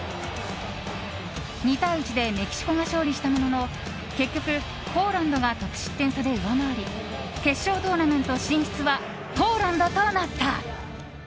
２対１でメキシコが勝利したものの結局、ポーランドが得失点差で上回り決勝トーナメント進出はポーランドとなった。